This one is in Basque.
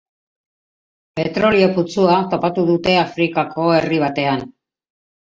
Petrolio-putzua topatu dute Afrikako herri batean.